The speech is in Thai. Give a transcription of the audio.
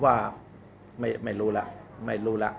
ไม่เคยและผมไม่เคยเชิญมา